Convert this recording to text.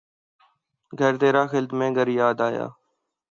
گھر ترا خلد میں گر یاد آیا